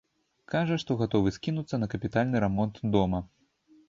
Кажа, што гатовы скінуцца на капітальны рамонт дома.